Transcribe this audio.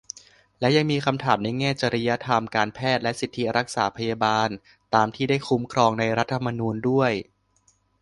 ก็ยังมีคำถามในแง่จริยธรรมการแพทย์ และสิทธิรักษาพยาบาลตามที่ได้คุ้มครองในรัฐธรรมนูญด้วย